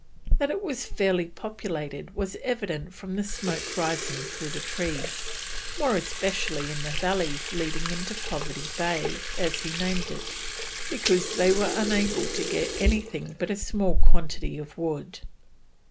That it was fairly populated was evident from the smoke rising through the trees, more especially in the valleys leading into Poverty Bay as he named it, because they were unable to get anything but a small quantity of wood.